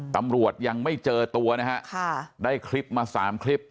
ตำรวจยังไม่เจอตัวนะฮะได้คลิปมา๓คลิป